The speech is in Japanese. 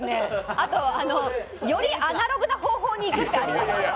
あと、よりアナログな方法にいくってあります！？